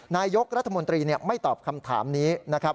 นายกรัฐมนตรีไม่ตอบคำถามนี้นะครับ